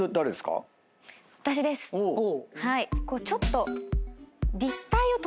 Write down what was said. ちょっと。